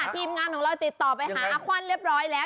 ทีมงานของเราติดต่อไปหาอาควันเรียบร้อยแล้ว